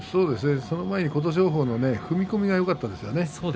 その前に琴勝峰の踏み込みがよかったですね。